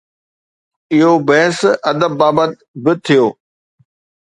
اهو بحث ادب بابت به ٿيو.